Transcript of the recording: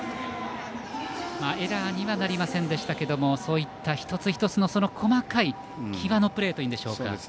エラーにはなりませんでしたけれどもそういった一つ一つの細かい際のプレーというんでしょうか。